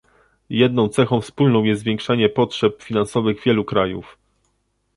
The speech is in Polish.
Jedną cechą wspólną jest zwiększenie potrzeb finansowych wielu krajów